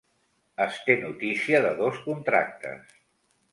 Es té notícia de dos contractes.